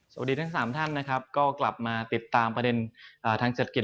สวัสดีทั้ง๓ท่านนะครับก็กลับมาติดตามประเด็นทางเศรษฐกิจ